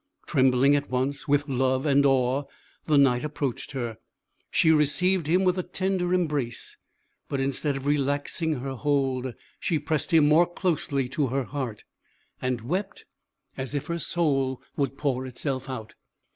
Trembling, at once with love and awe, the Knight approached her; she received him with a tender embrace; but instead of relaxing her hold, she pressed him more closely to her heart, and wept as if her soul would pour itself out.